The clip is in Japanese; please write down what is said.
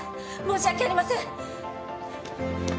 申し訳ありません。